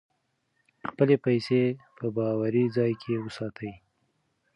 خپلې پیسې په باوري ځای کې وساتئ.